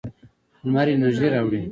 لمر انرژي راوړي.